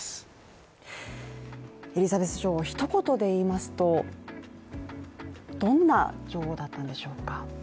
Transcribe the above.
エリザベス女王をひと言で言いますと、どんな女王だったんでしょうか。